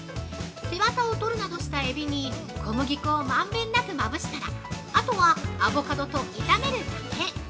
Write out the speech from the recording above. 背ワタを取るなどしたエビに小麦粉を満遍なくまぶしたらあとはアボカドと炒めるだけ。